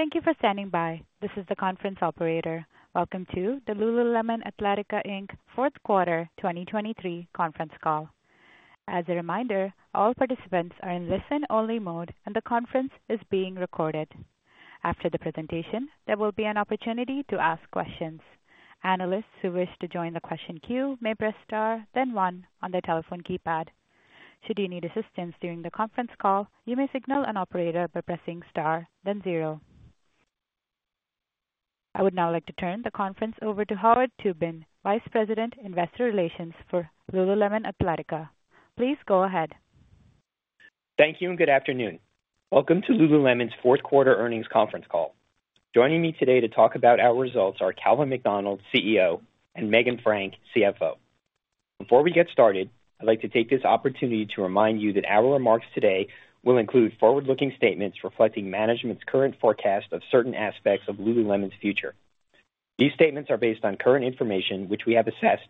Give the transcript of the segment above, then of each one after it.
Thank you for standing by. This is the conference operator. Welcome to the Lululemon Athletica Inc. 4Q 2023 conference call. As a reminder, all participants are in listen-only mode, and the conference is being recorded. After the presentation, there will be an opportunity to ask questions. Analysts who wish to join the question queue may press Star, then one on their telephone keypad. Should you need assistance during the conference call, you may signal an operator by pressing Star, then zero. I would now like to turn the conference over to Howard Tubin, Vice President, Investor Relations for Lululemon Athletica. Please go ahead. Thank you and good afternoon. Welcome to Lululemon's 4Q earnings conference call. Joining me today to talk about our results are Calvin McDonald, CEO, and Meghan Frank, CFO. Before we get started, I'd like to take this opportunity to remind you that our remarks today will include forward-looking statements reflecting management's current forecast of certain aspects of Lululemon's future. These statements are based on current information, which we have assessed,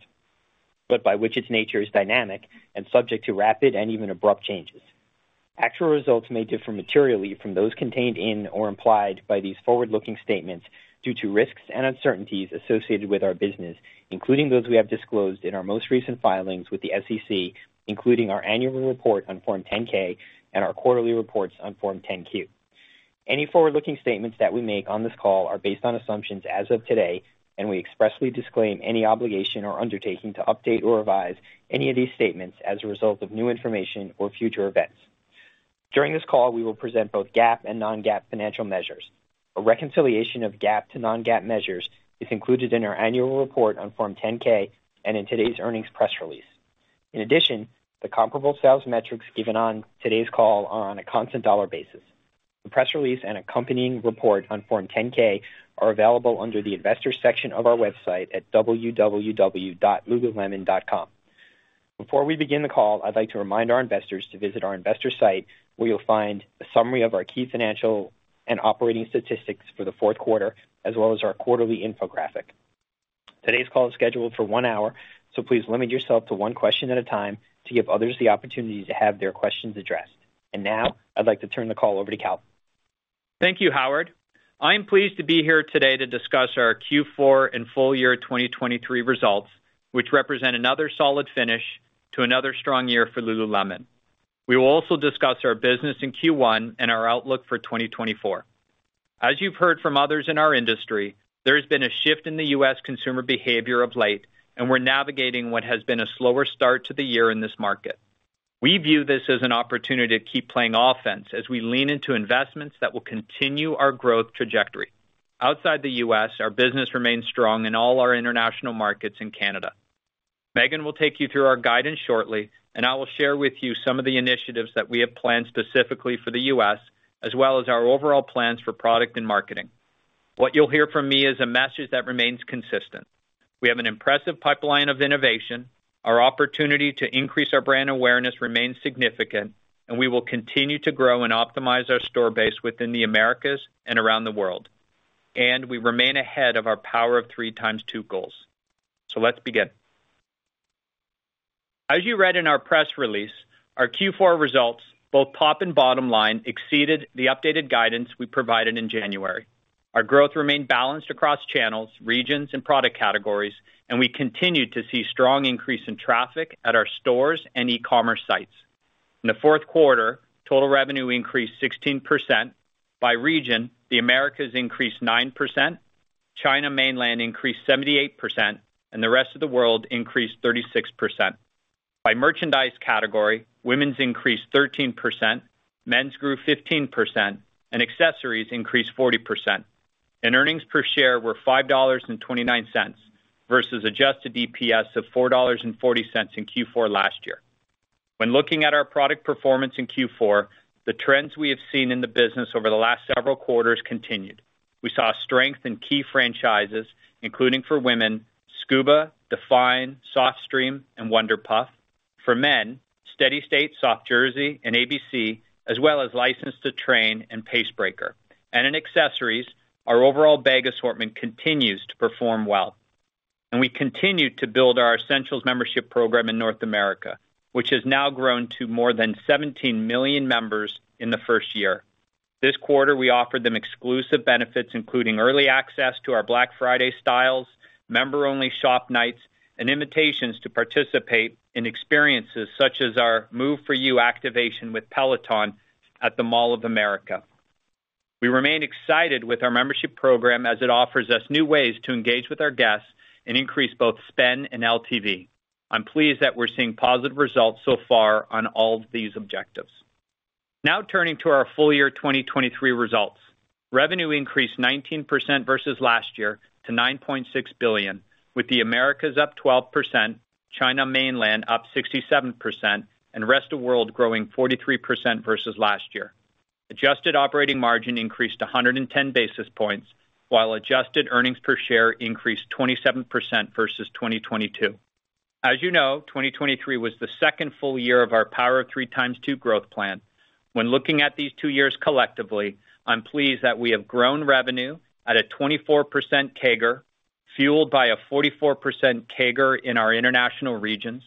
but by its nature is dynamic and subject to rapid and even abrupt changes. Actual results may differ materially from those contained in or implied by these forward-looking statements due to risks and uncertainties associated with our business, including those we have disclosed in our most recent filings with the SEC, including our annual report on Form 10-K and our quarterly reports on Form 10-Q. Any forward-looking statements that we make on this call are based on assumptions as of today, and we expressly disclaim any obligation or undertaking to update or revise any of these statements as a result of new information or future events. During this call, we will present both GAAP and non-GAAP financial measures. A reconciliation of GAAP to non-GAAP measures is included in our annual report on Form 10-K and in today's earnings press release. In addition, the comparable sales metrics given on today's call are on a constant dollar basis. The press release and accompanying report on Form 10-K are available under the Investors section of our website at www.lululemon.com. Before we begin the call, I'd like to remind our investors to visit our investor site, where you'll find a summary of our key financial and operating statistics for the 4Q, as well as our quarterly infographic. Today's call is scheduled for one hour, so please limit yourself to one question at a time to give others the opportunity to have their questions addressed. Now, I'd like to turn the call over to Calvin. Thank you, Howard. I am pleased to be here today to discuss our Q4 and full year 2023 results, which represent another solid finish to another strong year for Lululemon. We will also discuss our business in Q1 and our outlook for 2024. As you've heard from others in our industry, there has been a shift in the U.S. consumer behavior of late, and we're navigating what has been a slower start to the year in this market. We view this as an opportunity to keep playing offense as we lean into investments that will continue our growth trajectory. Outside the U.S., our business remains strong in all our international markets in Canada. Meghan will take you through our guidance shortly, and I will share with you some of the initiatives that we have planned specifically for the U.S., as well as our overall plans for product and marketing. What you'll hear from me is a message that remains consistent. We have an impressive pipeline of innovation. Our opportunity to increase our brand awareness remains significant, and we will continue to grow and optimize our store base within the Americas and around the world, and we remain ahead of our Power of Three x2 goals. Let's begin. As you read in our press release, our Q4 results, both top and bottom line, exceeded the updated guidance we provided in January. Our growth remained balanced across channels, regions, and product categories, and we continued to see strong increase in traffic at our stores and e-commerce sites. In the 4Q, total revenue increased 16%. By region, the Americas increased 9%, China Mainland increased 78%, and the rest of the world increased 36%. By merchandise category, women's increased 13%, men's grew 15%, and accessories increased 40%. Earnings per share were $5.29 versus adjusted EPS of $4.40 in Q4 last year. When looking at our product performance in Q4, the trends we have seen in the business over the last several quarters continued. We saw strength in key franchises, including for women, Scuba, Define, Softstreme, and Wunder Puff. For men, Steady State, Soft Jersey, and ABC, as well as License to Train and Pace Breaker. In accessories, our overall bag assortment continues to perform well, and we continue to build our Essential membership program in North America, which has now grown to more than 17 million members in the first year. This quarter, we offered them exclusive benefits, including early access to our Black Friday styles, member-only shop nights, and invitations to participate in experiences such as our Move For You activation with Peloton at the Mall of America. We remain excited with our membership program as it offers us new ways to engage with our guests and increase both spend and LTV. I'm pleased that we're seeing positive results so far on all of these objectives. Now, turning to our full year 2023 results. Revenue increased 19% versus last year to $9.6 billion, with the Americas up 12%, China Mainland up 67%, and Rest of World growing 43% versus last year. Adjusted operating margin increased 110 basis points, while adjusted earnings per share increased 27% versus 2022. As you know, 2023 was the second full year of our Power of Three x2 growth plan. When looking at these two years collectively, I'm pleased that we have grown revenue at a 24% CAGR, fueled by a 44% CAGR in our international regions,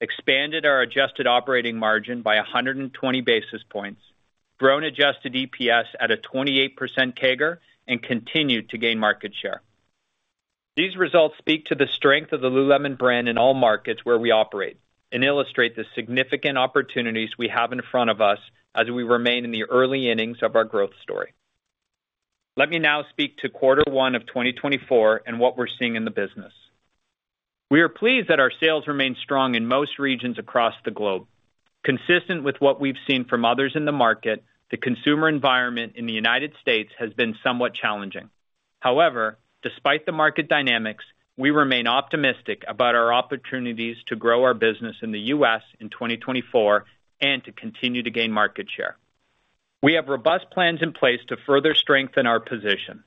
expanded our adjusted operating margin by 120 basis points, grown adjusted EPS at a 28% CAGR, and continued to gain market share. These results speak to the strength of the Lululemon brand in all markets where we operate and illustrate the significant opportunities we have in front of us as we remain in the early innings of our growth story. Let me now speak to Q1 of 2024 and what we're seeing in the business. We are pleased that our sales remain strong in most regions across the globe. Consistent with what we've seen from others in the market, the consumer environment in the United States has been somewhat challenging. However, despite the market dynamics, we remain optimistic about our opportunities to grow our business in the US in 2024, and to continue to gain market share. We have robust plans in place to further strengthen our position.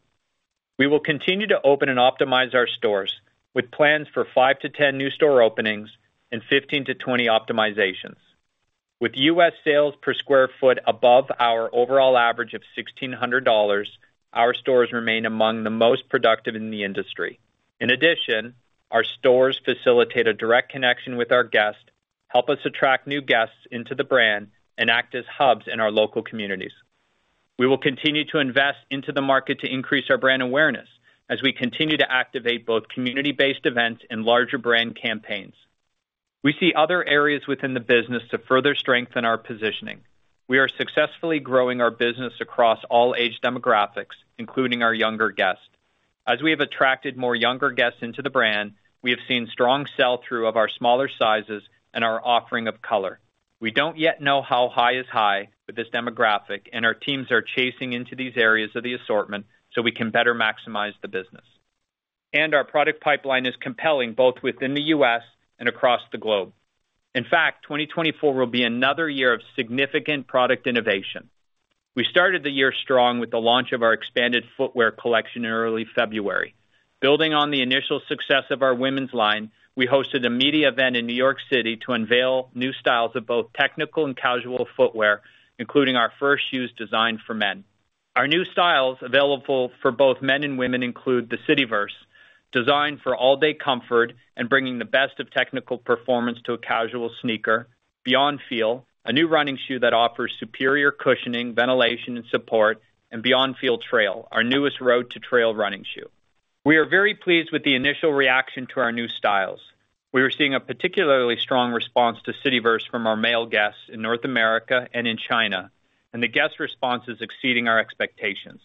We will continue to open and optimize our stores, with plans for 5-10 new store openings and 15-20 optimizations. With U.S. sales per sq ft above our overall average of $1,600, our stores remain among the most productive in the industry. In addition, our stores facilitate a direct connection with our guests, help us attract new guests into the brand, and act as hubs in our local communities. We will continue to invest into the market to increase our brand awareness as we continue to activate both community-based events and larger brand campaigns. We see other areas within the business to further strengthen our positioning. We are successfully growing our business across all age demographics, including our younger guests. As we have attracted more younger guests into the brand, we have seen strong sell-through of our smaller sizes and our offering of color. We don't yet know how high is high with this demographic, and our teams are chasing into these areas of the assortment so we can better maximize the business. Our product pipeline is compelling, both within the U.S. and across the globe. In fact, 2024 will be another year of significant product innovation. We started the year strong with the launch of our expanded footwear collection in early February. Building on the initial success of our women's line, we hosted a media event in New York City to unveil new styles of both technical and casual footwear, including our first shoes designed for men. Our new styles, available for both men and women, include the Cityverse, designed for all-day comfort and bringing the best of technical performance to a casual sneaker, Beyondfeel, a new running shoe that offers superior cushioning, ventilation, and support, and Beyondfeel Trail, our newest road to trail running shoe. We are very pleased with the initial reaction to our new styles. We are seeing a particularly strong response to Cityverse from our male guests in North America and in China, and the guest response is exceeding our expectations.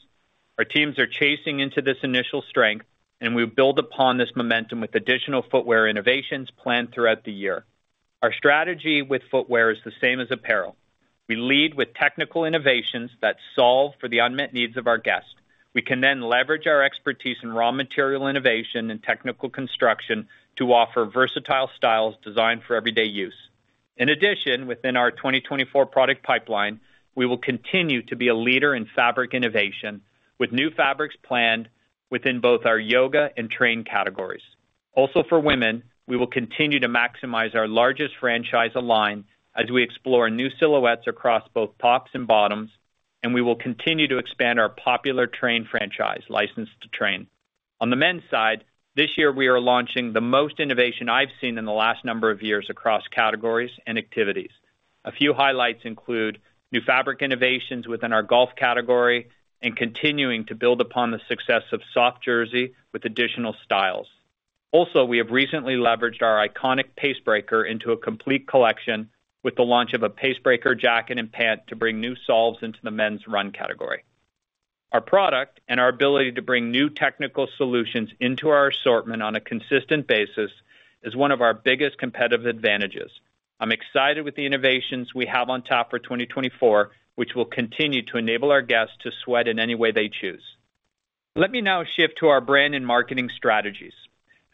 Our teams are chasing into this initial strength, and we build upon this momentum with additional footwear innovations planned throughout the year. Our strategy with footwear is the same as apparel. We lead with technical innovations that solve for the unmet needs of our guests. We can then leverage our expertise in raw material innovation and technical construction to offer versatile styles designed for everyday use. In addition, within our 2024 product pipeline, we will continue to be a leader in fabric innovation, with new fabrics planned within both our yoga and train categories. Also, for women, we will continue to maximize our largest franchise line as we explore new silhouettes across both tops and bottoms, and we will continue to expand our popular train franchise, License to Train. On the men's side, this year, we are launching the most innovation I've seen in the last number of years across categories and activities. A few highlights include new fabric innovations within our golf category and continuing to build upon the success of Soft Jersey with additional styles. Also, we have recently leveraged our iconic Pace Breaker into a complete collection with the launch of a Pace Breaker jacket and pant to bring new solves into the men's run category. Our product and our ability to bring new technical solutions into our assortment on a consistent basis is one of our biggest competitive advantages. I'm excited with the innovations we have on top for 2024, which will continue to enable our guests to sweat in any way they choose. Let me now shift to our brand and marketing strategies.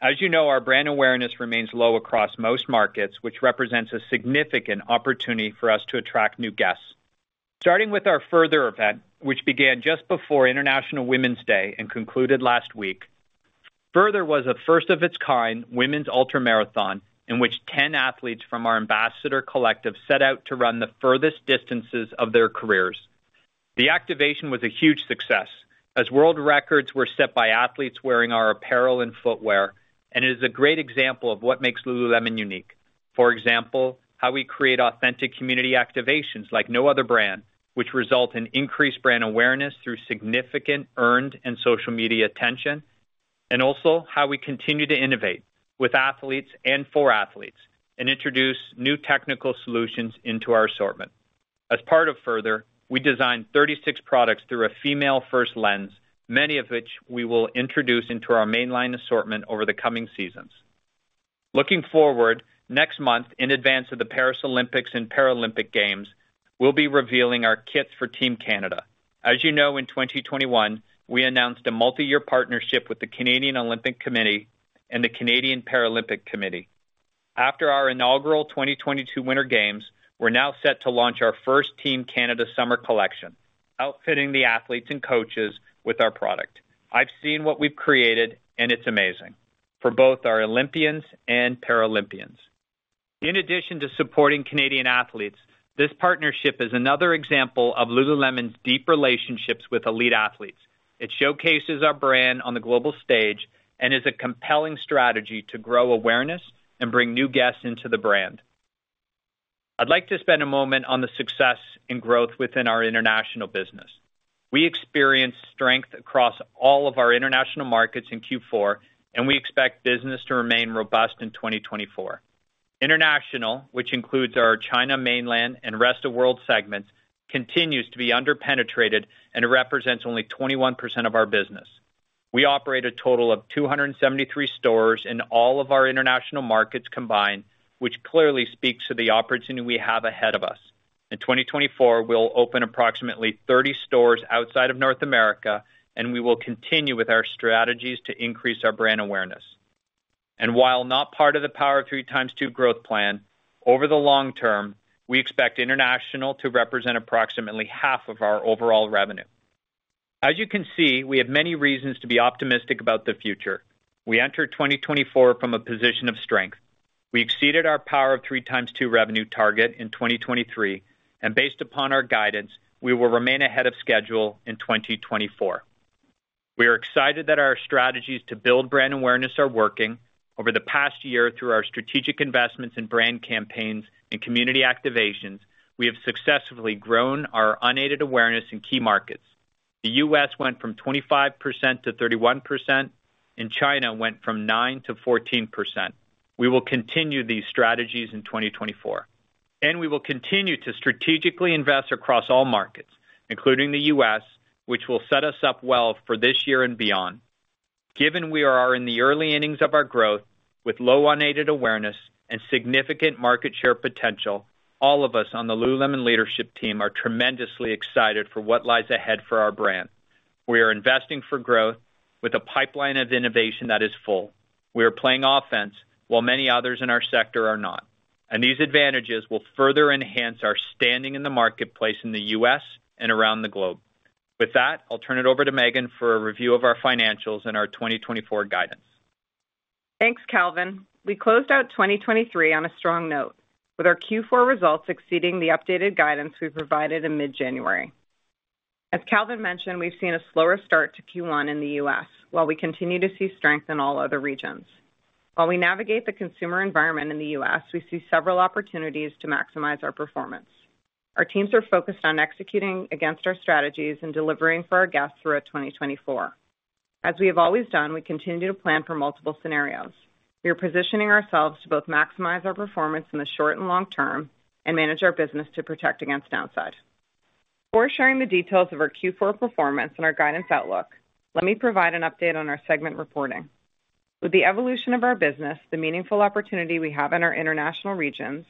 As you know, our brand awareness remains low across most markets, which represents a significant opportunity for us to attract new guests. Starting with our Further event, which began just before International Women's Day and concluded last week, Further was a first of its kind women's ultramarathon, in which 10 athletes from our ambassador collective set out to run the furthest distances of their careers. The activation was a huge success, as world records were set by athletes wearing our apparel and footwear, and it is a great example of what makes Lululemon unique. For example, how we create authentic community activations like no other brand, which result in increased brand awareness through significant earned and social media attention, and also how we continue to innovate with athletes and for athletes and introduce new technical solutions into our assortment. As part of Further, we designed 36 products through a female-first lens, many of which we will introduce into our mainline assortment over the coming seasons. Looking forward, next month, in advance of the Paris Olympics and Paralympic Games, we'll be revealing our kits for Team Canada. As you know, in 2021, we announced a multiyear partnership with the Canadian Olympic Committee and the Canadian Paralympic Committee. After our inaugural 2022 Winter Games, we're now set to launch our first Team Canada summer collection, outfitting the athletes and coaches with our product. I've seen what we've created, and it's amazing for both our Olympians and Paralympians. In addition to supporting Canadian athletes, this partnership is another example of Lululemon's deep relationships with elite athletes. It showcases our brand on the global stage and is a compelling strategy to grow awareness and bring new guests into the brand. I'd like to spend a moment on the success and growth within our international business. We experienced strength across all of our international markets in Q4, and we expect business to remain robust in 2024. International, which includes our China Mainland and Rest of World segments, continues to be under-penetrated and represents only 21% of our business. We operate a total of 273 stores in all of our international markets combined, which clearly speaks to the opportunity we have ahead of us. In 2024, we'll open approximately 30 stores outside of North America, and we will continue with our strategies to increase our brand awareness. And while not part of the Power of Three x2 growth plan, over the long term, we expect international to represent approximately half of our overall revenue. As you can see, we have many reasons to be optimistic about the future. We enter 2024 from a position of strength. We exceeded our Power of Three x2 revenue target in 2023, and based upon our guidance, we will remain ahead of schedule in 2024. We are excited that our strategies to build brand awareness are working. Over the past year, through our strategic investments in brand campaigns and community activations, we have successfully grown our unaided awareness in key markets. The U.S. went from 25% to 31%, and China went from 9% to 14%. We will continue these strategies in 2024, and we will continue to strategically invest across all markets, including the U.S., which will set us up well for this year and beyond. Given we are in the early innings of our growth with low unaided awareness and significant market share potential, all of us on the Lululemon leadership team are tremendously excited for what lies ahead for our brand. We are investing for growth with a pipeline of innovation that is full. We are playing offense, while many others in our sector are not, and these advantages will further enhance our standing in the marketplace in the U.S. and around the globe. With that, I'll turn it over to Meghan for a review of our financials and our 2024 guidance. Thanks, Calvin. We closed out 2023 on a strong note, with our Q4 results exceeding the updated guidance we provided in mid-January. As Calvin mentioned, we've seen a slower start to Q1 in the US, while we continue to see strength in all other regions. While we navigate the consumer environment in the U.S., we see several opportunities to maximize our performance. Our teams are focused on executing against our strategies and delivering for our guests throughout 2024. As we have always done, we continue to plan for multiple scenarios. We are positioning ourselves to both maximize our performance in the short and long term and manage our business to protect against downside. Before sharing the details of our Q4 performance and our guidance outlook, let me provide an update on our segment reporting. With the evolution of our business, the meaningful opportunity we have in our international regions,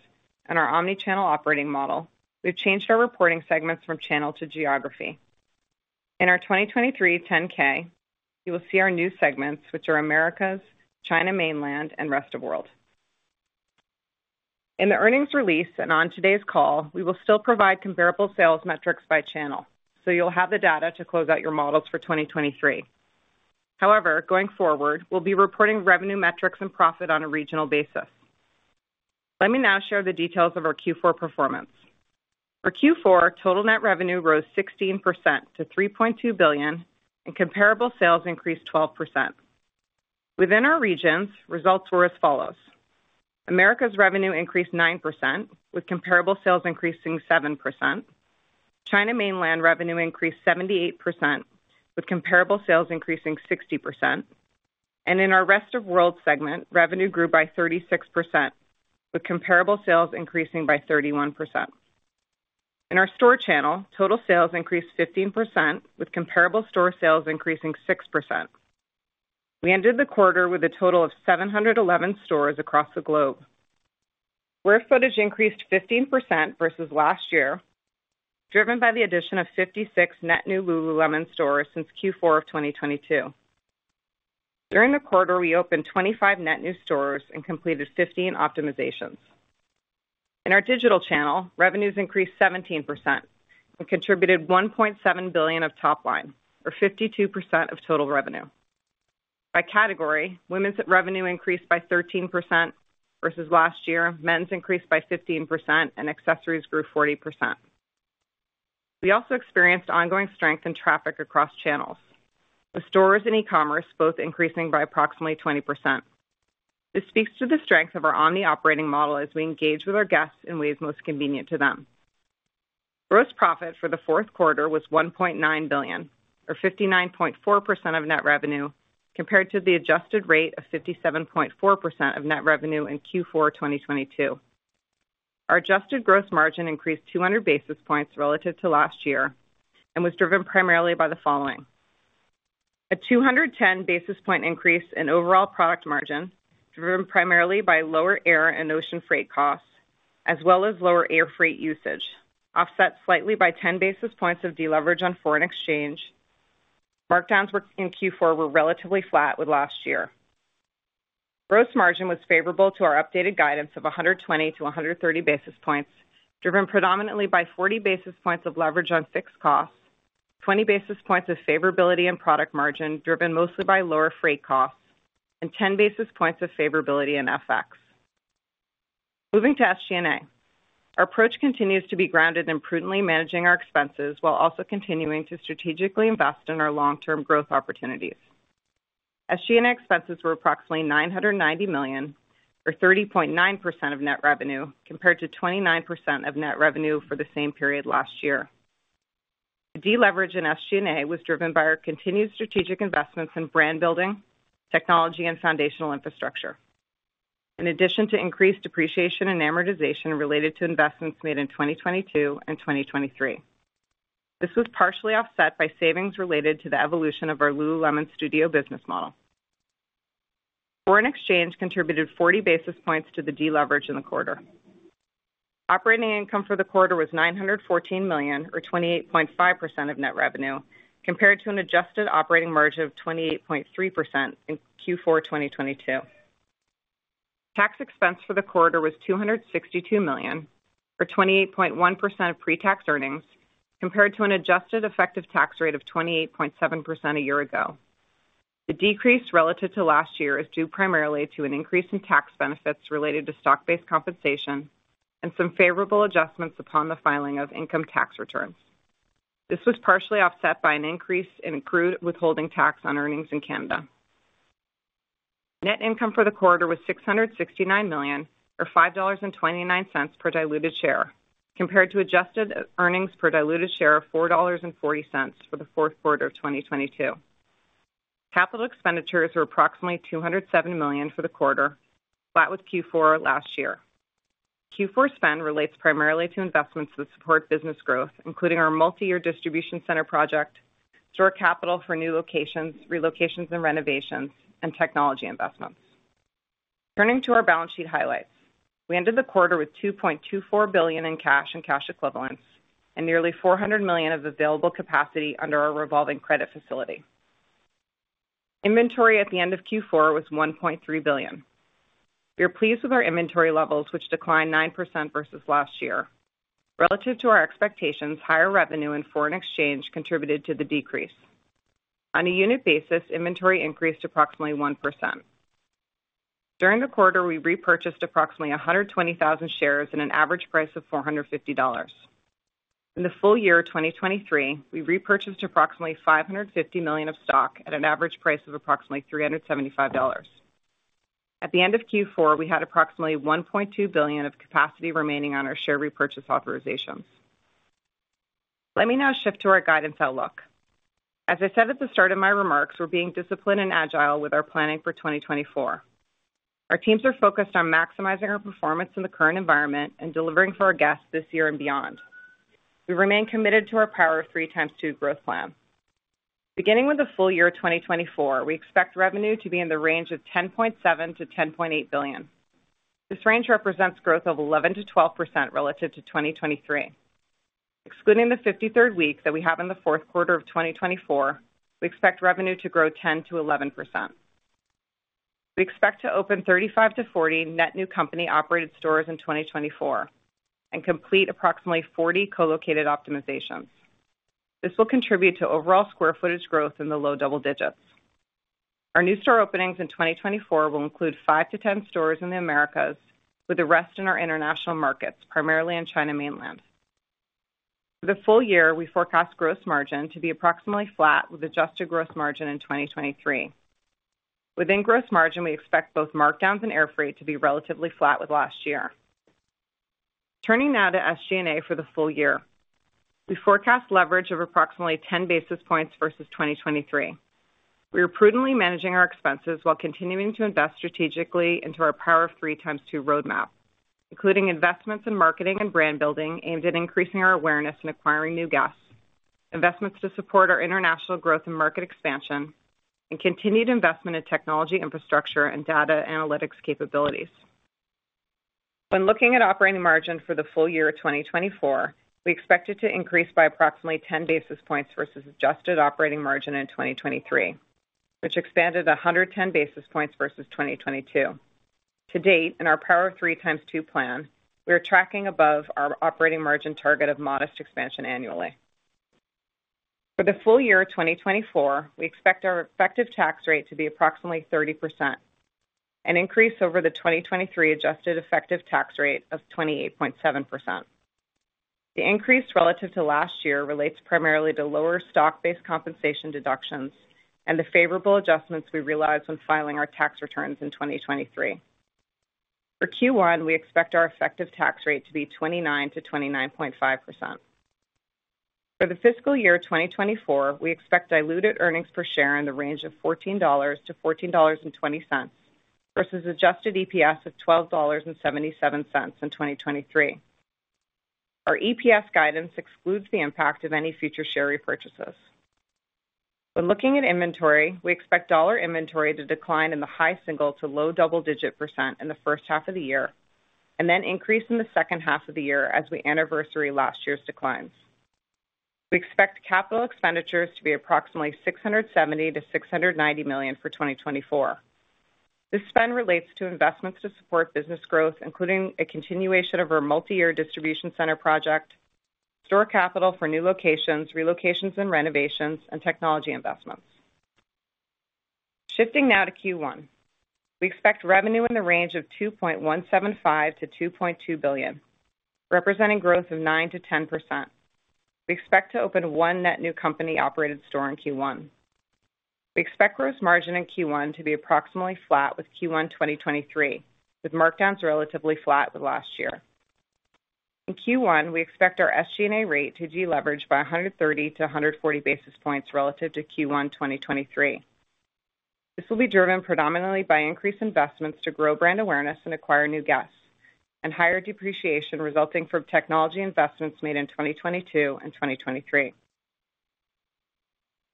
and our omni-channel operating model, we've changed our reporting segments from channel to geography. In our 2023 10-K, you will see our new segments, which are Americas, China Mainland, and Rest of World. In the earnings release and on today's call, we will still provide comparable sales metrics by channel, so you'll have the data to close out your models for 2023. However, going forward, we'll be reporting revenue metrics and profit on a regional basis. Let me now share the details of our Q4 performance. For Q4, total net revenue rose 16% to $3.2 billion, and comparable sales increased 12%. Within our regions, results were as follows: Americas revenue increased 9%, with comparable sales increasing 7%. China Mainland revenue increased 78%, with comparable sales increasing 60%. In our Rest of World segment, revenue grew by 36%, with comparable sales increasing by 31%. In our store channel, total sales increased 15%, with comparable store sales increasing 6%. We ended the quarter with a total of 711 stores across the globe. Square footage increased 15% versus last year, driven by the addition of 56 net new Lululemon stores since Q4 of 2022. During the quarter, we opened 25 net new stores and completed 15 optimizations. In our digital channel, revenues increased 17% and contributed $1.7 billion of top line or 52% of total revenue. By category, women's revenue increased by 13% versus last year, men's increased by 15%, and accessories grew 40%. We also experienced ongoing strength in traffic across channels, with stores and e-commerce both increasing by approximately 20%. This speaks to the strength of our on the operating model as we engage with our guests in ways most convenient to them. Gross profit for the 4Q was $1.9 billion, or 59.4% of net revenue, compared to the adjusted rate of 57.4% of net revenue in Q4 2022. Our adjusted gross margin increased 200 basis points relative to last year and was driven primarily by the following: a 210 basis point increase in overall product margin, driven primarily by lower air and ocean freight costs, as well as lower air freight usage, offset slightly by 10 basis points of deleverage on foreign exchange. Markdowns in Q4 were relatively flat with last year. Gross margin was favorable to our updated guidance of 120-130 basis points, driven predominantly by 40 basis points of leverage on fixed costs, 20 basis points of favorability in product margin, driven mostly by lower freight costs, and 10 basis points of favorability in FX. Moving to SG&A. Our approach continues to be grounded in prudently managing our expenses while also continuing to strategically invest in our long-term growth opportunities. SG&A expenses were approximately $990 million, or 30.9% of net revenue, compared to 29% of net revenue for the same period last year. The deleverage in SG&A was driven by our continued strategic investments in brand building, technology, and foundational infrastructure, in addition to increased depreciation and amortization related to investments made in 2022 and 2023. This was partially offset by savings related to the evolution of our Lululemon Studio business model. Foreign exchange contributed 40 basis points to the deleverage in the quarter. Operating income for the quarter was $914 million, or 28.5% of net revenue, compared to an adjusted operating margin of 28.3% in Q4 2022. Tax expense for the quarter was $262 million, or 28.1% of pre-tax earnings, compared to an adjusted effective tax rate of 28.7% a year ago. The decrease relative to last year is due primarily to an increase in tax benefits related to stock-based compensation and some favorable adjustments upon the filing of income tax returns. This was partially offset by an increase in accrued withholding tax on earnings in Canada. Net income for the quarter was $669 million, or $5.29 per diluted share, compared to adjusted earnings per diluted share of $4.40 for the 4Q of 2022. Capital expenditures were approximately $207 million for the quarter, flat with Q4 last year. Q4 spend relates primarily to investments that support business growth, including our multi-year distribution center project, store capital for new locations, relocations and renovations, and technology investments. Turning to our balance sheet highlights. We ended the quarter with $2.24 billion in cash and cash equivalents, and nearly $400 million of available capacity under our revolving credit facility. Inventory at the end of Q4 was $1.3 billion. We are pleased with our inventory levels, which declined 9% versus last year. Relative to our expectations, higher revenue and foreign exchange contributed to the decrease. On a unit basis, inventory increased approximately 1%. During the quarter, we repurchased approximately 120,000 shares at an average price of $450. In the full year 2023, we repurchased approximately $550 million of stock at an average price of approximately $375. At the end of Q4, we had approximately $1.2 billion of capacity remaining on our share repurchase authorizations. Let me now shift to our guidance outlook. As I said at the start of my remarks, we're being disciplined and agile with our planning for 2024. Our teams are focused on maximizing our performance in the current environment and delivering for our guests this year and beyond. We remain committed to our Power of Three x2 growth plan. Beginning with the full year 2024, we expect revenue to be in the range of $10.7 billion-$10.8 billion. This range represents growth of 11%-12% relative to 2023. Excluding the 53rd week that we have in the 4Q of 2024, we expect revenue to grow 10%-11%. We expect to open 35-40 net new company-operated stores in 2024 and complete approximately 40 co-located optimizations. This will contribute to overall square footage growth in the low double digits. Our new store openings in 2024 will include 5-10 stores in the Americas, with the rest in our international markets, primarily in China Mainland. For the full year, we forecast gross margin to be approximately flat with adjusted gross margin in 2023. Within gross margin, we expect both markdowns and air freight to be relatively flat with last year. Turning now to SG&A for the full year. We forecast leverage of approximately 10 basis points versus 2023. We are prudently managing our expenses while continuing to invest strategically into our Power of Three x2 roadmap, including investments in marketing and brand building aimed at increasing our awareness and acquiring new guests, investments to support our international growth and market expansion, and continued investment in technology, infrastructure, and data analytics capabilities. When looking at operating margin for the full year 2024, we expect it to increase by approximately 10 basis points versus adjusted operating margin in 2023, which expanded 110 basis points versus 2022. To date, in our Power of Three x2 plan, we are tracking above our operating margin target of modest expansion annually. For the full year 2024, we expect our effective tax rate to be approximately 30%, an increase over the 2023 adjusted effective tax rate of 28.7%. The increase relative to last year relates primarily to lower stock-based compensation deductions and the favorable adjustments we realized when filing our tax returns in 2023. For Q1, we expect our effective tax rate to be 29%-29.5%. For the fiscal year 2024, we expect diluted earnings per share in the range of $14-$14.20, versus adjusted EPS of $12.77 in 2023. Our EPS guidance excludes the impact of any future share repurchases. When looking at inventory, we expect dollar inventory to decline in the high single- to low double-digit % in the H1 of the year, and then increase in the H2 of the year as we anniversary last year's declines. We expect capital expenditures to be approximately $670 million-$690 million for 2024. This spend relates to investments to support business growth, including a continuation of our multi-year distribution center project, store capital for new locations, relocations and renovations, and technology investments. Shifting now to Q1. We expect revenue in the range of $2.175 billion-$2.2 billion, representing growth of 9%-10%. We expect to open 1 net new company-operated store in Q1. We expect gross margin in Q1 to be approximately flat with Q1 2023, with markdowns relatively flat with last year. In Q1, we expect our SG&A rate to deleverage by 130 to 140 basis points relative to Q1, 2023. This will be driven predominantly by increased investments to grow brand awareness and acquire new guests, and higher depreciation resulting from technology investments made in 2022 and 2023.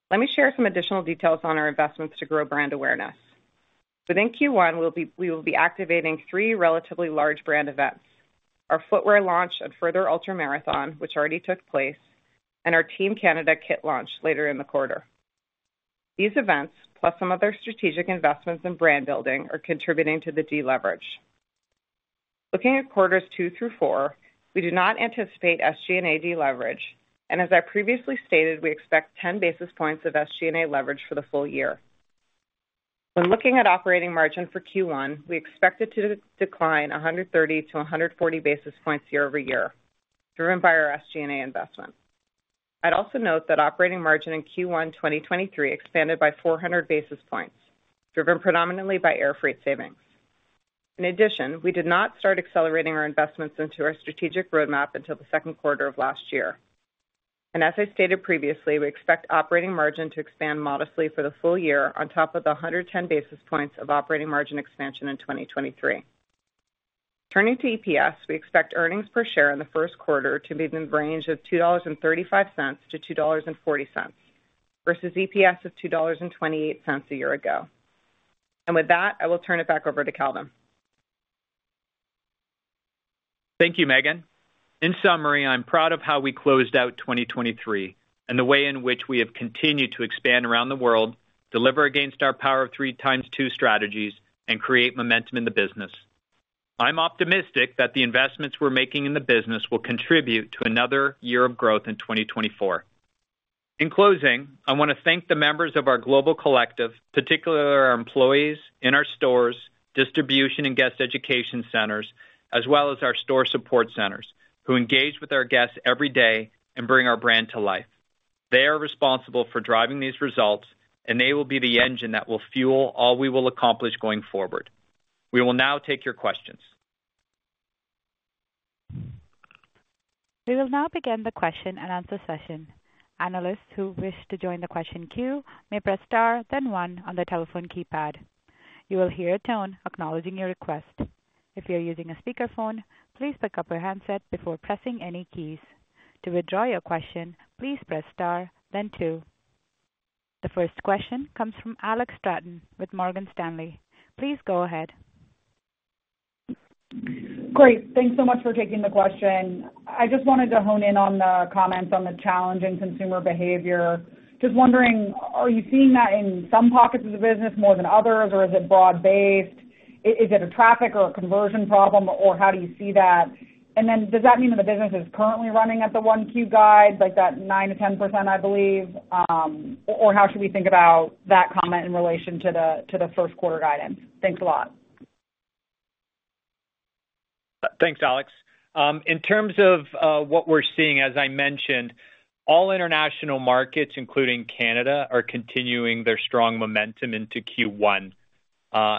Let me share some additional details on our investments to grow brand awareness. Within Q1, we will be activating three relatively large brand events: our footwear launch at Further Ultra Marathon, which already took place, and our Team Canada kit launch later in the quarter. These events, plus some other strategic investments in brand building, are contributing to the deleverage. Looking at quarters 2 through 4, we do not anticipate SG&A deleverage, and as I previously stated, we expect 10 basis points of SG&A leverage for the full year. When looking at operating margin for Q1, we expect it to decline 130-140 basis points year-over-year, driven by our SG&A investment. I'd also note that operating margin in Q1 2023 expanded by 400 basis points, driven predominantly by air freight savings. In addition, we did not start accelerating our investments into our strategic roadmap until the second quarter of last year. And as I stated previously, we expect operating margin to expand modestly for the full year on top of the 110 basis points of operating margin expansion in 2023. Turning to EPS, we expect earnings per share in the Q1 to be in the range of $2.35-$2.40, versus EPS of $2.28 a year ago. With that, I will turn it back over to Calvin. Thank you, Meghan. In summary, I'm proud of how we closed out 2023 and the way in which we have continued to expand around the world, deliver against our Power of Three × 2 strategies, and create momentum in the business. I'm optimistic that the investments we're making in the business will contribute to another year of growth in 2024. In closing, I want to thank the members of our global collective, particularly our employees in our stores, distribution, and guest education centers, as well as our store support centers, who engage with our guests every day and bring our brand to life. They are responsible for driving these results, and they will be the engine that will fuel all we will accomplish going forward. We will now take your questions. We will now begin the question and answer session. Analysts who wish to join the question queue may press star then one on their telephone keypad. You will hear a tone acknowledging your request. If you are using a speakerphone, please pick up your handset before pressing any keys. To withdraw your question, please press star then two. The first question comes from Alex Straton with Morgan Stanley. Please go ahead. Great. Thanks so much for taking the question. I just wanted to hone in on the comments on the challenge in consumer behavior. Just wondering, are you seeing that in some pockets of the business more than others, or is it broad-based? Is it a traffic or a conversion problem, or how do you see that? And then does that mean that the business is currently running at the 1Q guide, like that 9%-10%, I believe, or how should we think about that comment in relation to the, to the 1Q guidance? Thanks a lot. Thanks, Alex. In terms of what we're seeing, as I mentioned, all international markets, including Canada, are continuing their strong momentum into Q1.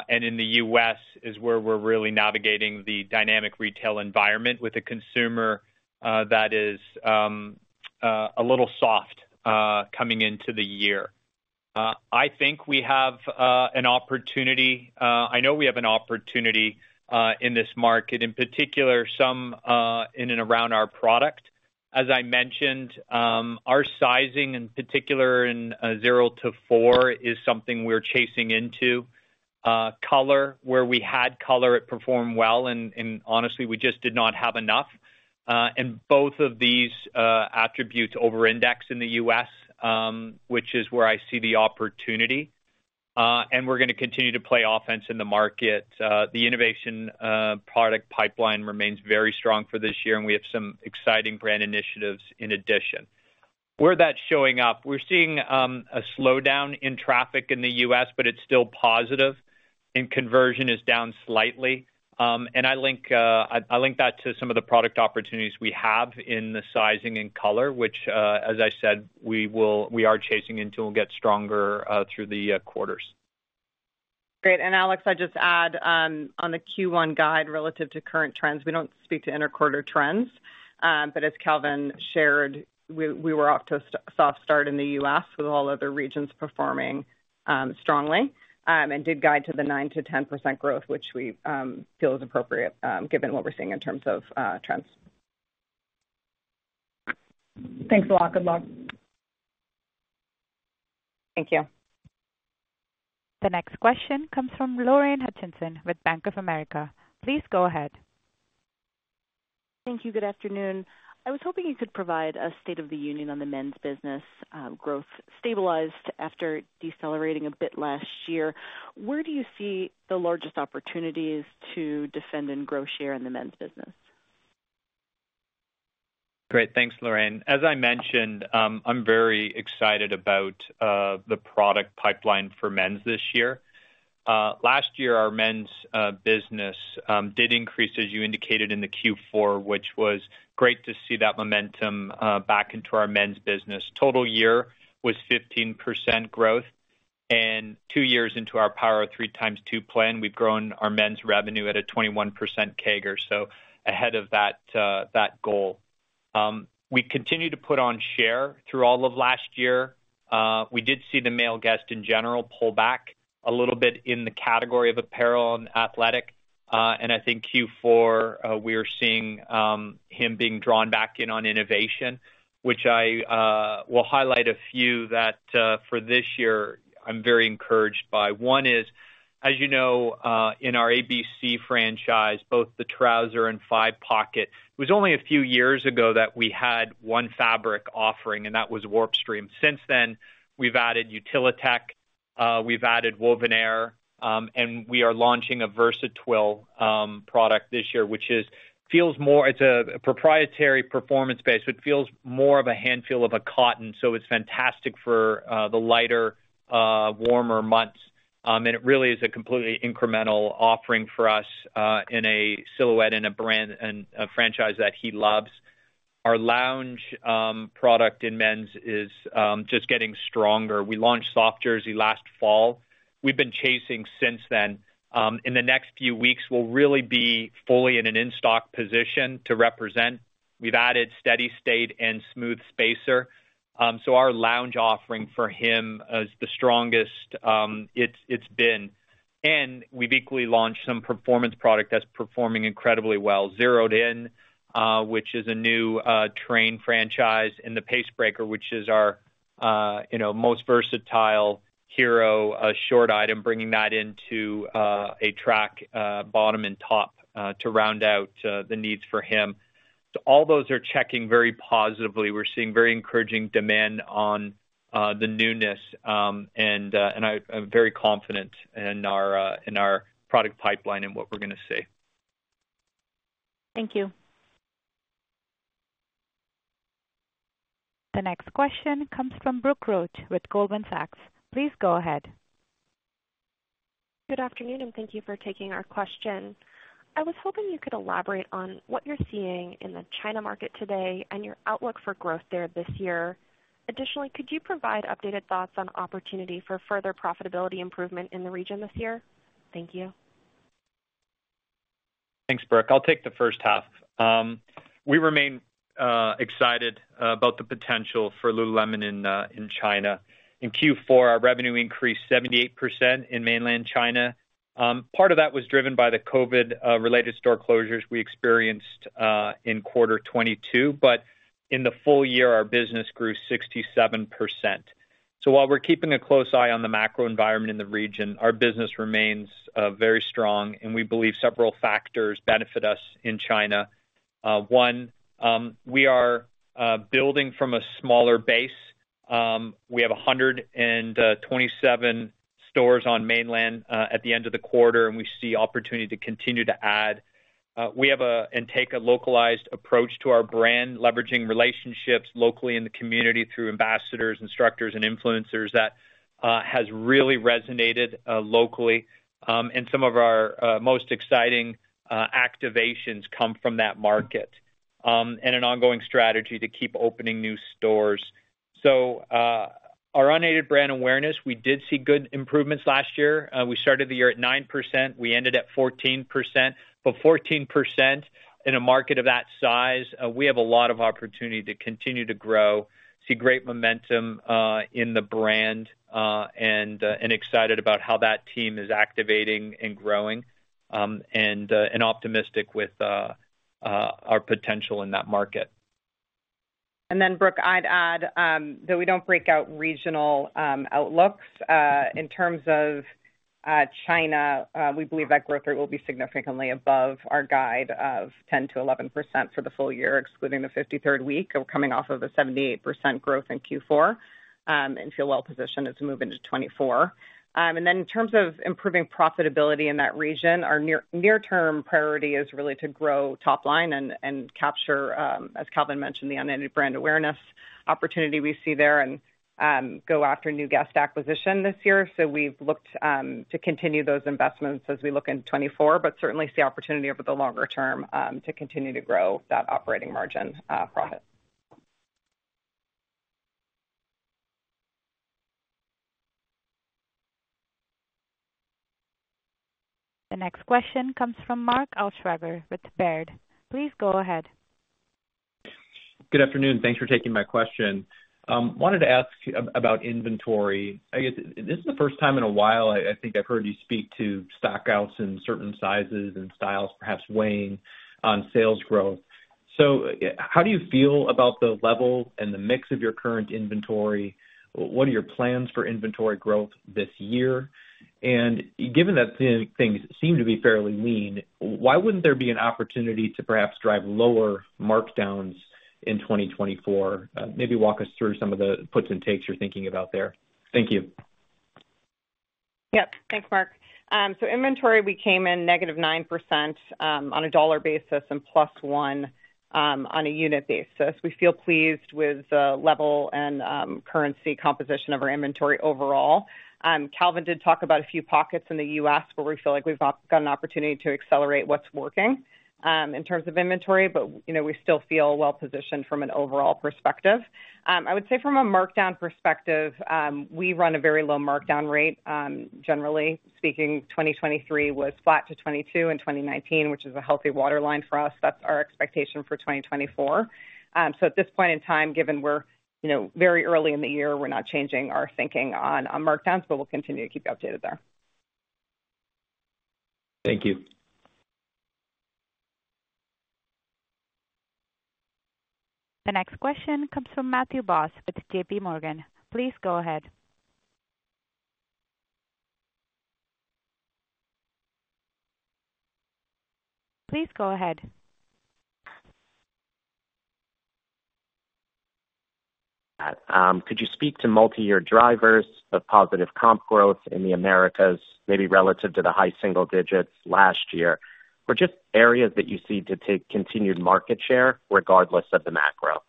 In the US is where we're really navigating the dynamic retail environment with a consumer that is a little soft coming into the year. I know we have an opportunity in this market, in particular, some in and around our product. As I mentioned, our sizing, in particular in 0 to 4, is something we're chasing into. Color, where we had color, it performed well, and honestly, we just did not have enough. Both of these attributes over-index in the U.S., which is where I see the opportunity, and we're gonna continue to play offense in the market. The innovative product pipeline remains very strong for this year, and we have some exciting brand initiatives in addition. Where that's showing up, we're seeing a slowdown in traffic in the U.S., but it's still positive, and conversion is down slightly. And I link that to some of the product opportunities we have in the sizing and color, which, as I said, we are chasing into, and we'll get stronger through the quarters. Great. And Alex, I'd just add, on the Q1 guide relative to current trends, we don't speak to interquarter trends, but as Calvin shared, we were off to a soft start in the US with all other regions performing strongly. And did guide to the 9%-10% growth, which we feel is appropriate, given what we're seeing in terms of trends. Thanks a lot. Good luck. Thank you. The next question comes from Lorraine Hutchinson with Bank of America. Please go ahead. Thank you. Good afternoon. I was hoping you could provide a state of the union on the men's business. Growth stabilized after decelerating a bit last year. Where do you see the largest opportunities to defend and grow share in the men's business? Great. Thanks, Lorraine. As I mentioned, I'm very excited about the product pipeline for men's this year. Last year, our men's business did increase, as you indicated, in the Q4, which was great to see that momentum back into our men's business. Total year was 15% growth, and two years into our Power of Three x2 plan, we've grown our men's revenue at a 21% CAGR, so ahead of that goal. We continue to put on share through all of last year. We did see the male guest in general pull back a little bit in the category of apparel and athletic. And I think Q4, we are seeing him being drawn back in on innovation, which I will highlight a few that for this year, I'm very encouraged by. One is, as you know, in our ABC franchise, both the trouser and five pocket. It was only a few years ago that we had one fabric offering, and that was Warpstreme. Since then, we've added Utilitech, we've added WovenAir, and we are launching a VersaTwill product this year, which is a proprietary performance base, so it feels more of a hand feel of a cotton, so it's fantastic for the lighter, warmer months. And it really is a completely incremental offering for us in a silhouette, in a brand, and a franchise that he loves. Our lounge product in men's is just getting stronger. We launched Soft Jersey last fall. We've been chasing since then. In the next few weeks, we'll really be fully in an in-stock position to represent. We've added Steady State and Smooth Spacer. So our lounge offering for him is the strongest; it's been. And we've equally launched some performance product that's performing incredibly well. Zeroed In, which is a new training franchise, and the Pace Breaker, which is our, you know, most versatile hero, a short item, bringing that into a track bottom and top to round out the needs for him. So all those are checking very positively. We're seeing very encouraging demand on the newness, and I'm very confident in our product pipeline and what we're gonna see. Thank you. The next question comes from Brooke Roach with Goldman Sachs. Please go ahead. Good afternoon, and thank you for taking our question. I was hoping you could elaborate on what you're seeing in the China market today and your outlook for growth there this year. Additionally, could you provide updated thoughts on opportunity for further profitability improvement in the region this year? Thank you. Thanks, Brooke. I'll take the H1. We remain excited about the potential for Lululemon in China. In Q4, our revenue increased 78% in mainland China. Part of that was driven by the COVID-related store closures we experienced in quarter twenty-two, but in the full year, our business grew 67%. So while we're keeping a close eye on the macro environment in the region, our business remains very strong, and we believe several factors benefit us in China. One, we are building from a smaller base. We have 127 stores on mainland at the end of the quarter, and we see opportunity to continue to add. We have a... Take a localized approach to our brand, leveraging relationships locally in the community through ambassadors, instructors, and influencers that has really resonated locally. And some of our most exciting activations come from that market and an ongoing strategy to keep opening new stores. Our unaided brand awareness, we did see good improvements last year. We started the year at 9%, we ended at 14%. But 14% in a market of that size, we have a lot of opportunity to continue to grow, see great momentum in the brand and excited about how that team is activating and growing, and optimistic with our potential in that market. And then, Brooke, I'd add that we don't break out regional outlooks. In terms of China, we believe that growth rate will be significantly above our guide of 10%-11% for the full year, excluding the 53rd week, coming off of a 78% growth in Q4, and feel well positioned as we move into 2024. And then in terms of improving profitability in that region, our near-term priority is really to grow top line and capture, as Calvin mentioned, the unaided brand awareness opportunity we see there and go after new guest acquisition this year. So we've looked to continue those investments as we look into 2024, but certainly see opportunity over the longer term to continue to grow that operating margin profit. The next question comes from Mark Altschwager with Baird. Please go ahead. Good afternoon. Thanks for taking my question. Wanted to ask you about inventory. I guess this is the first time in a while I think I've heard you speak to stock outs in certain sizes and styles, perhaps weighing on sales growth. So how do you feel about the level and the mix of your current inventory? What are your plans for inventory growth this year? And given that things seem to be fairly lean, why wouldn't there be an opportunity to perhaps drive lower markdowns in 2024? Maybe walk us through some of the puts and takes you're thinking about there. Thank you.... Yep. Thanks, Mark. So inventory, we came in negative 9%, on a dollar basis and +1, on a unit basis. We feel pleased with the level and, currency composition of our inventory overall. Calvin did talk about a few pockets in the U.S. where we feel like we've got an opportunity to accelerate what's working, in terms of inventory, but, you know, we still feel well positioned from an overall perspective. I would say from a markdown perspective, we run a very low markdown rate. Generally speaking, 2023 was flat to 2022 and 2019, which is a healthy waterline for us. That's our expectation for 2024. At this point in time, given we're very early in the year, we're not changing our thinking on markdowns, but we'll continue to keep you updated there. Thank you. The next question comes from Matthew Boss with JP Morgan. Please go ahead. Please go ahead. Could you speak to multi-year drivers of positive comp growth in the Americas, maybe relative to the high single digits last year, or just areas that you see to take continued market share regardless of the macro?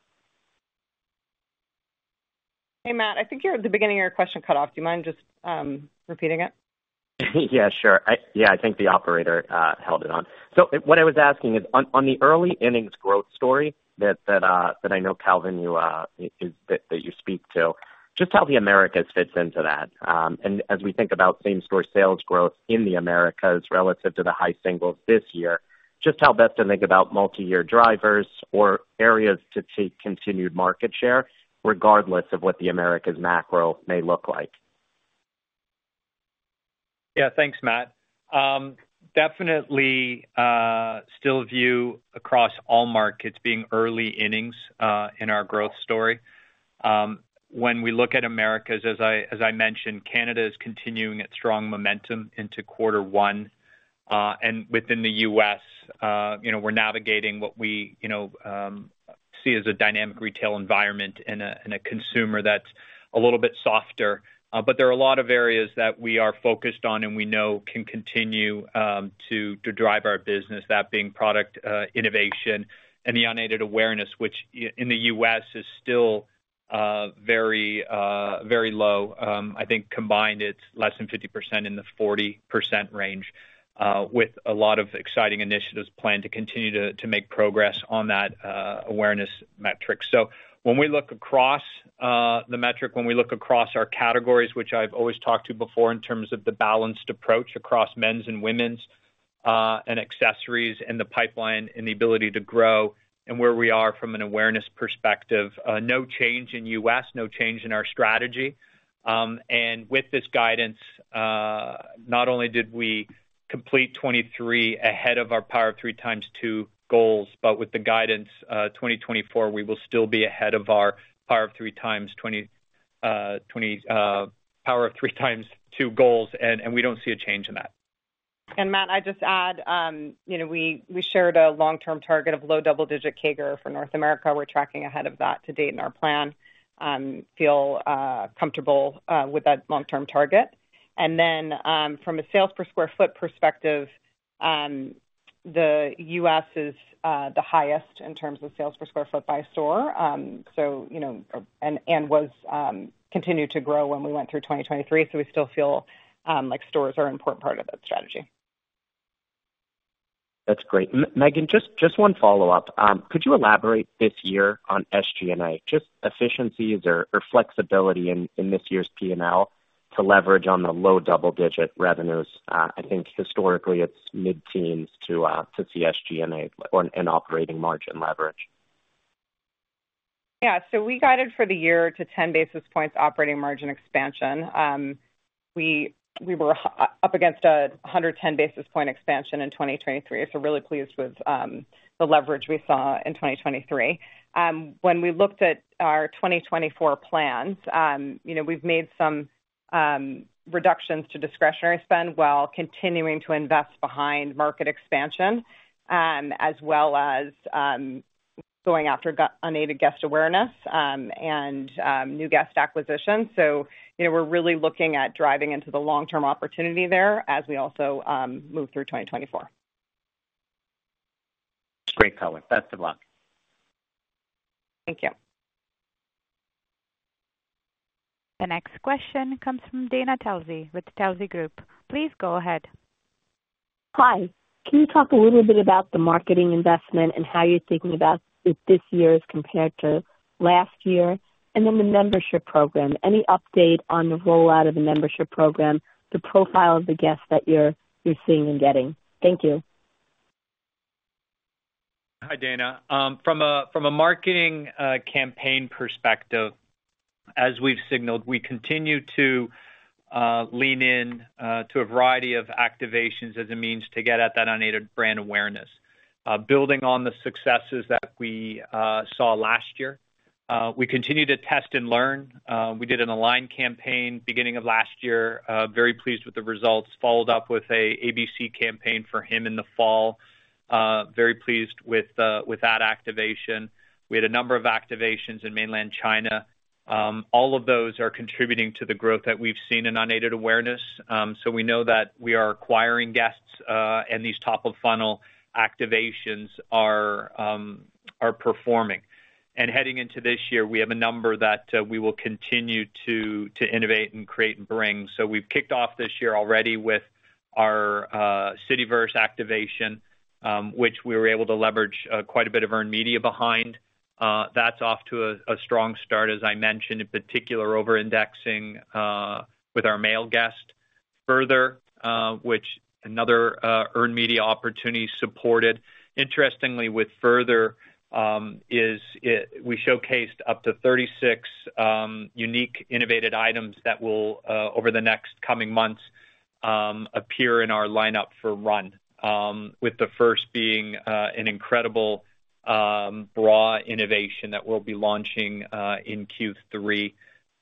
Hey, Matt, I think you're... the beginning of your question cut off. Do you mind just repeating it? Yeah, sure. Yeah, I think the operator held it on. So what I was asking is, on the early innings growth story that I know, Calvin, you speak to, just how the Americas fits into that. And as we think about same store sales growth in the Americas relative to the high singles this year, just how best to think about multi-year drivers or areas to take continued market share, regardless of what the Americas macro may look like. Yeah. Thanks, Matt. Definitely, still view across all markets being early innings in our growth story. When we look at Americas, as I mentioned, Canada is continuing its strong momentum into quarter one. And within the U.S., you know, we're navigating what we see as a dynamic retail environment and a consumer that's a little bit softer. But there are a lot of areas that we are focused on and we know can continue to drive our business, that being product innovation and the unaided awareness, which in the U.S. is still very low. I think combined, it's less than 50% in the 40% range, with a lot of exciting initiatives planned to continue to make progress on that awareness metric. So when we look across, the metric, when we look across our categories, which I've always talked to before, in terms of the balanced approach across men's and women's, and accessories and the pipeline and the ability to grow and where we are from an awareness perspective, no change in U.S., no change in our strategy. And with this guidance, not only did we complete 2023 ahead of our Power of Three x2 goals, but with the guidance, 2024, we will still be ahead of our Power of Three x2 goals, and we don't see a change in that. Matt, I'd just add, you know, we shared a long-term target of low-double-digit CAGR for North America. We're tracking ahead of that to date in our plan. We feel comfortable with that long-term target. And then, from a sales per sq ft perspective, the U.S. is the highest in terms of sales per sq ft by store. So, you know, it continued to grow when we went through 2023, so we still feel like stores are an important part of that strategy. That's great. Meghan, just, just one follow-up. Could you elaborate this year on SG&A, just efficiencies or, or flexibility in, in this year's P&L to leverage on the low double digit revenues? I think historically it's mid-teens to, to SG&A or in operating margin leverage. Yeah. So we guided for the year to 10 basis points operating margin expansion. We were up against a 110 basis point expansion in 2023. So we're really pleased with the leverage we saw in 2023. When we looked at our 2024 plans, you know, we've made some reductions to discretionary spend while continuing to invest behind market expansion, as well as going after unaided guest awareness, and new guest acquisition. So you know, we're really looking at driving into the long-term opportunity there as we also move through 2024. Great, Calvin. Best of luck. Thank you. The next question comes from Dana Telsey with Telsey Group. Please go ahead. Hi. Can you talk a little bit about the marketing investment and how you're thinking about it this year as compared to last year, and then the membership program? Any update on the rollout of the membership program, the profile of the guests that you're seeing and getting? Thank you. Hi, Dana. From a marketing campaign perspective, as we've signaled, we continue to lean in to a variety of activations as a means to get at that unaided brand awareness. Building on the successes that we saw last year, we continued to test and learn. We did an Align campaign beginning of last year. Very pleased with the results. Followed up with a ABC campaign for him in the fall. Very pleased with that activation. We had a number of activations in mainland China. All of those are contributing to the growth that we've seen in unaided awareness. So we know that we are acquiring guests, and these top-of-funnel activations are performing. Heading into this year, we have a number that we will continue to innovate and create and bring. So we've kicked off this year already with our Cityverse activation, which we were able to leverage quite a bit of earned media behind. That's off to a strong start, as I mentioned, in particular, over-indexing with our male guest. Further, which another earned media opportunity supported. Interestingly, with Further, we showcased up to 36 unique, innovated items that will, over the next coming months, appear in our lineup for Run. With the first being an incredible bra innovation that we'll be launching in Q3.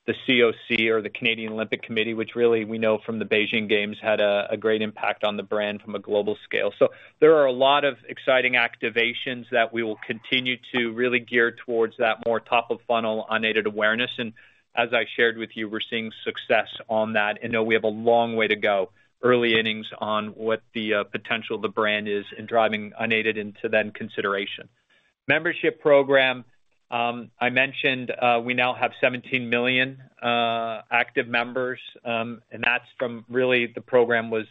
The COC or the Canadian Olympic Committee, which really we know from the Beijing Games, had a great impact on the brand from a global scale. So there are a lot of exciting activations that we will continue to really gear towards that more top-of-funnel, unaided awareness, and as I shared with you, we're seeing success on that, and know we have a long way to go. Early innings on what the potential of the brand is in driving unaided into then consideration. Membership program, I mentioned, we now have 17 million active members, and that's from really the program was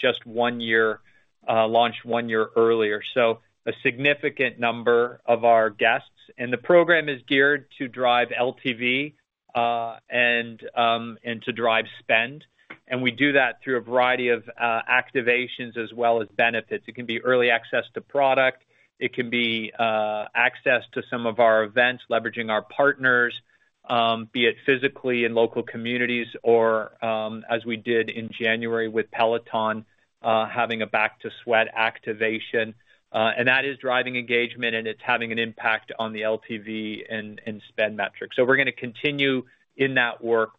just one year launched one year earlier. So a significant number of our guests. And the program is geared to drive LTV, and to drive spend. And we do that through a variety of activations as well as benefits. It can be early access to product, it can be access to some of our events, leveraging our partners, be it physically in local communities or, as we did in January with Peloton, having a Back to Sweat activation. And that is driving engagement, and it's having an impact on the LTV and spend metrics. So we're gonna continue in that work,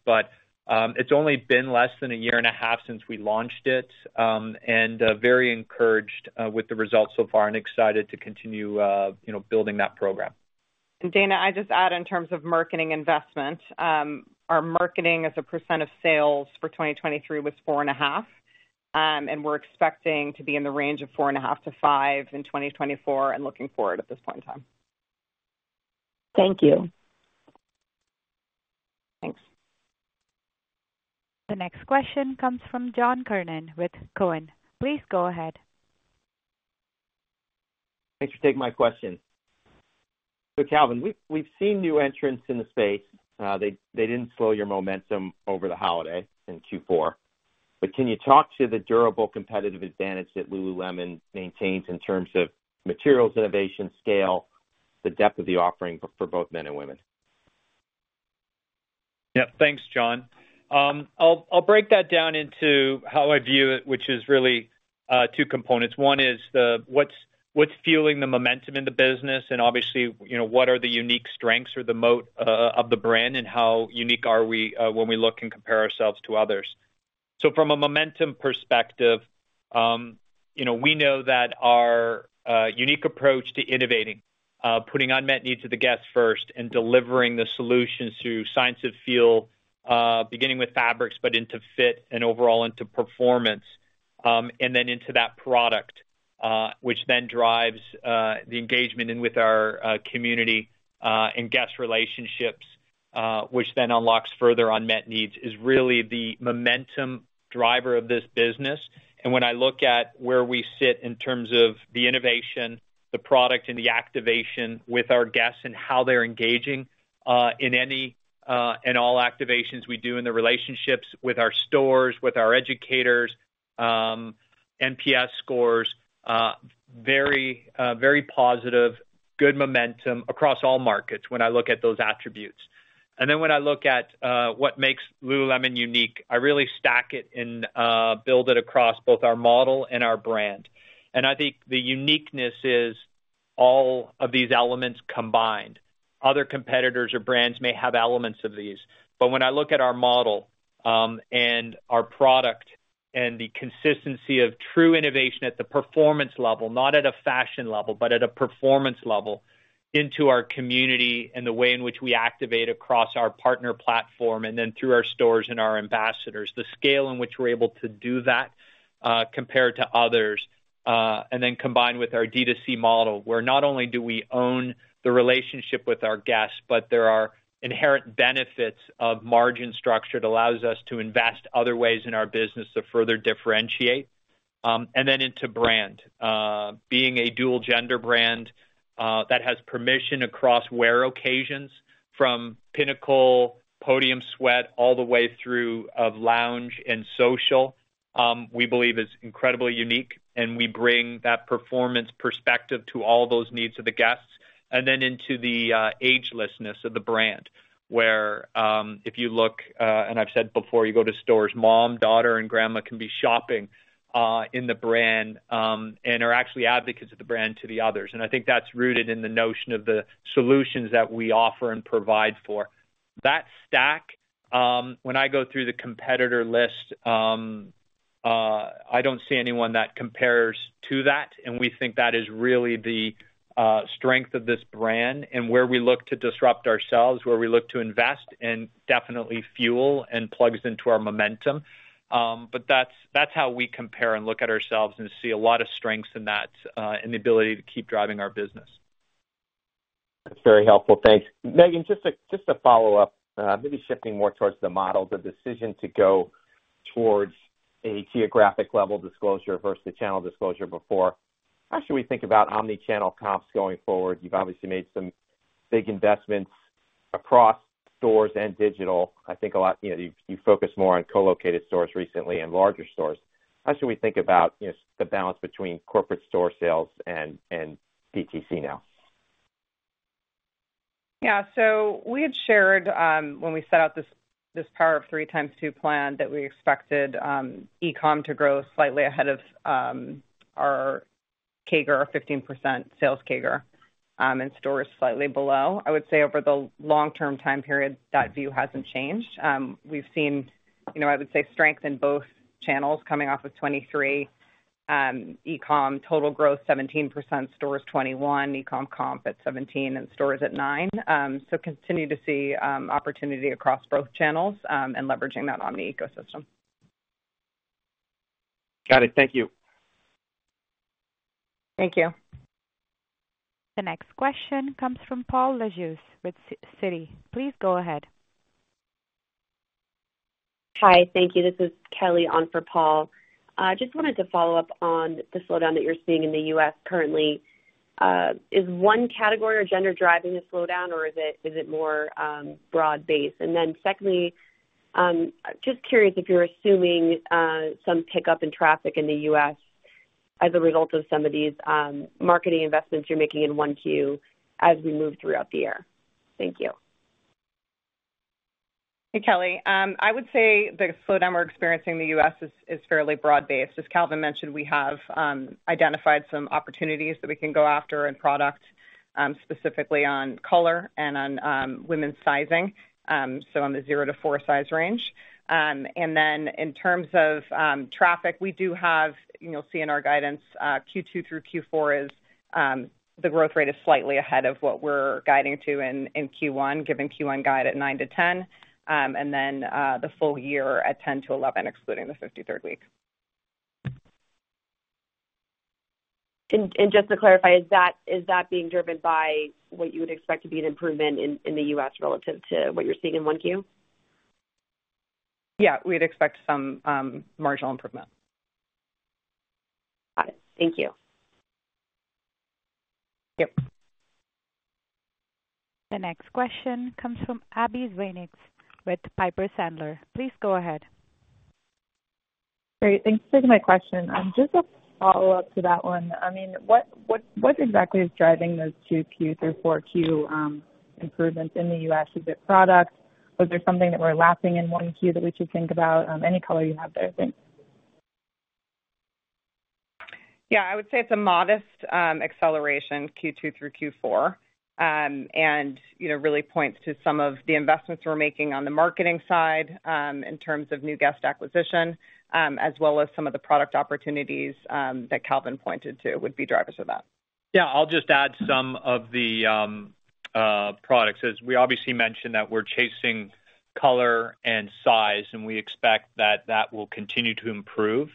but it's only been less than a year and a half since we launched it, and very encouraged with the results so far and excited to continue, you know, building that program. Dana, I just add, in terms of marketing investment, our marketing as a % of sales for 2023 was 4.5%, and we're expecting to be in the range of 4.5%-5% in 2024, and looking forward at this point in time. Thank you. Thanks. The next question comes from John Kernan with Cowen. Please go ahead. Thanks for taking my question. So, Calvin, we've seen new entrants in the space. They didn't slow your momentum over the holiday in Q4. But can you talk to the durable competitive advantage that Lululemon maintains in terms of materials, innovation, scale, the depth of the offering for both men and women? Yeah. Thanks, John. I'll break that down into how I view it, which is really two components. One is what's fueling the momentum in the business, and obviously, you know, what are the unique strengths or the moat of the brand, and how unique are we when we look and compare ourselves to others? So from a momentum perspective, you know, we know that our unique approach to innovating, putting unmet needs of the guest first, and delivering the solutions through Science of Feel, beginning with fabrics, but into fit and overall into performance, and then into that product, which then drives the engagement in with our community and guest relationships, which then unlocks further unmet needs, is really the momentum driver of this business. And when I look at where we sit in terms of the innovation, the product, and the activation with our guests and how they're engaging in any and all activations we do in the relationships with our stores, with our educators, NPS scores very, very positive, good momentum across all markets when I look at those attributes. And then when I look at what makes Lululemon unique, I really stack it and build it across both our model and our brand. And I think the uniqueness is all of these elements combined. Other competitors or brands may have elements of these, but when I look at our model, and our product, and the consistency of true innovation at the performance level, not at a fashion level, but at a performance level, into our community and the way in which we activate across our partner platform, and then through our stores and our ambassadors, the scale in which we're able to do that, compared to others. And then combined with our DTC model, where not only do we own the relationship with our guests, but there are inherent benefits of margin structure that allows us to invest other ways in our business to further differentiate. And then into brand. Being a dual gender brand that has permission across wear occasions, from pinnacle podium sweat all the way through of lounge and social, we believe is incredibly unique, and we bring that performance perspective to all those needs of the guests. And then into the agelessness of the brand, where if you look... And I've said before, you go to stores, mom, daughter, and grandma can be shopping in the brand, and are actually advocates of the brand to the others. And I think that's rooted in the notion of the solutions that we offer and provide for. That stack-... When I go through the competitor list, I don't see anyone that compares to that, and we think that is really the strength of this brand and where we look to disrupt ourselves, where we look to invest, and definitely fuel and plugs into our momentum. But that's how we compare and look at ourselves and see a lot of strengths in that, and the ability to keep driving our business. That's very helpful. Thanks. Meghan, just a follow-up, maybe shifting more towards the model, the decision to go towards a geographic level disclosure versus the channel disclosure before. How should we think about omni-channel comps going forward? You've obviously made some big investments across stores and digital. I think a lot, you know, you focused more on co-located stores recently and larger stores. How should we think about, you know, the balance between corporate store sales and DTC now? Yeah, so we had shared, when we set out this, this Power of Three x2 plan, that we expected, e-com to grow slightly ahead of, our CAGR, our 15% sales CAGR, and stores slightly below. I would say over the long-term time period, that view hasn't changed. We've seen, you know, I would say, strength in both channels coming off of 2023. E-com, total growth 17%, stores 21, e-com comp at 17, and stores at 9. So continue to see, opportunity across both channels, and leveraging that omni ecosystem. Got it. Thank you. Thank you. The next question comes from Paul Lejuez with Citi. Please go ahead. Hi, thank you. This is Kelly on for Paul. Just wanted to follow up on the slowdown that you're seeing in the US currently. Is one category or gender driving the slowdown, or is it more broad-based? And then secondly, just curious if you're assuming some pickup in traffic in the US as a result of some of these marketing investments you're making in Q1 as we move throughout the year. Thank you. Hey, Kelly. I would say the slowdown we're experiencing in the US is fairly broad-based. As Calvin mentioned, we have identified some opportunities that we can go after in product, specifically on color and on women's sizing, so on the 0-4 size range. And then in terms of traffic, we do have... You'll see in our guidance, Q2 through Q4 is the growth rate is slightly ahead of what we're guiding to in Q1, given Q1 guide at 9-10, and then the full year at 10-11, excluding the 53rd week. Just to clarify, is that being driven by what you would expect to be an improvement in the US relative to what you're seeing in 1Q? Yeah, we'd expect some marginal improvement. Got it. Thank you. Yep. The next question comes from Abbie Zvejnieks with Piper Sandler. Please go ahead. Great. Thanks for taking my question. Just a follow-up to that one. I mean, what exactly is driving those Q2 through Q4 improvements in the US? Is it product? Was there something that we're lapsing in Q1 that we should think about? Any color you have there, thanks. Yeah, I would say it's a modest acceleration, Q2 through Q4. You know, really points to some of the investments we're making on the marketing side in terms of new guest acquisition, as well as some of the product opportunities that Calvin pointed to, would be drivers of that. Yeah. I'll just add some of the products. As we obviously mentioned, that we're chasing color and size, and we expect that that will continue to improve,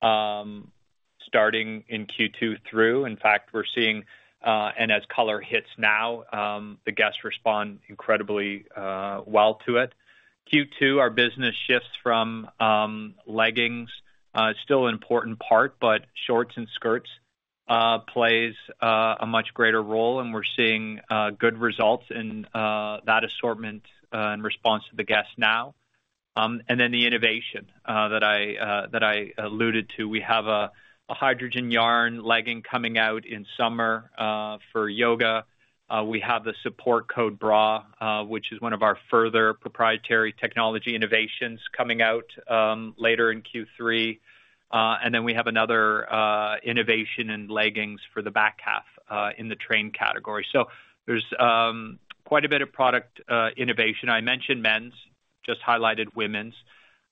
starting in Q2 through. In fact, we're seeing. And as color hits now, the guests respond incredibly well to it. Q2, our business shifts from leggings. It's still an important part, but shorts and skirts plays a much greater role, and we're seeing good results in that assortment in response to the guests now. And then the innovation that I that I alluded to. We have a Hydrogen Yarn legging coming out in summer for yoga. We have the Support Code bra, which is one of our further proprietary technology innovations coming out, later in Q3. And then we have another innovation in leggings for the back half in the train category. So there's quite a bit of product innovation. I mentioned men's, just highlighted women's,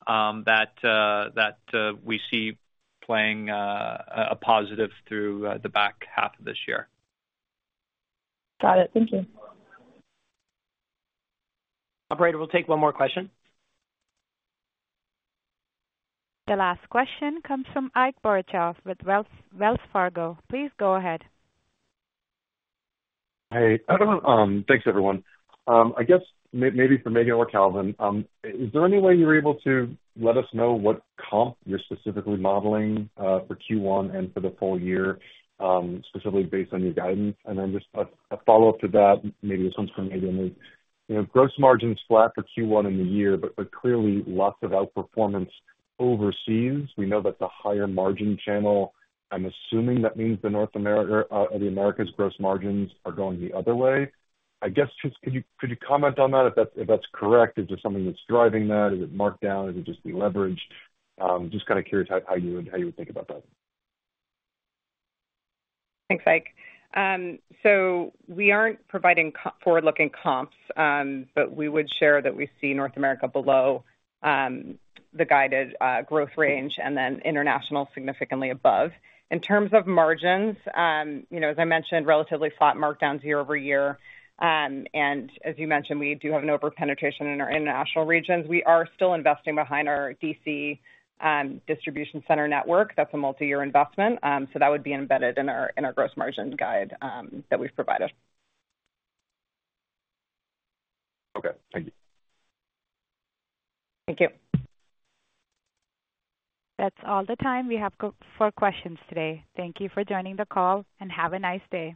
that we see playing a positive through the back half of this year. Got it. Thank you. Operator, we'll take one more question. The last question comes from Ike Boruchov with Wells Fargo. Please go ahead. Hey, everyone, thanks, everyone. I guess maybe for Meghan or Calvin, is there any way you're able to let us know what comp you're specifically modeling for Q1 and for the full year, specifically based on your guidance? And then just a follow-up to that, maybe this one's for Meghan. You know, gross margin's flat for Q1 in the year, but clearly lots of outperformance overseas. We know that's a higher margin channel. I'm assuming that means the North America or the Americas gross margins are going the other way. I guess, just could you comment on that, if that's correct? Is there something that's driving that? Is it marked down? Is it just the leverage? Just kind of curious how you would think about that. Thanks, Ike. So we aren't providing forward-looking comps, but we would share that we see North America below the guided growth range, and then international, significantly above. In terms of margins, you know, as I mentioned, relatively flat markdowns year-over-year. And as you mentioned, we do have an over-penetration in our international regions. We are still investing behind our DC distribution center network. That's a multi-year investment, so that would be embedded in our gross margin guide that we've provided. Okay, thank you. Thank you. That's all the time we have for questions today. Thank you for joining the call, and have a nice day.